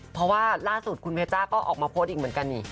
เพราะว่าล่าสุดคุณเพชจ้าก็ออกมาโพสต์อีกเหมือนกันนี่